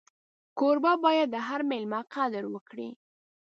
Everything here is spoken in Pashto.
کوربه باید د هر مېلمه قدر وکړي.